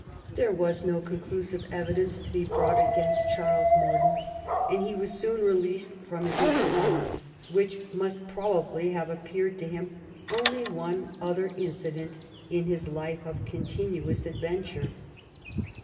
There was no conclusive evidence to be brought against Charles Mordaunt, and he was soon released from his imprisonment, which must probably have appeared to him only one other incident in his life of continuous adventure.